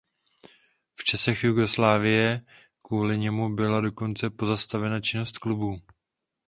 V časech Jugoslávie kvůli němu byla dokonce pozastavena činnost klubu.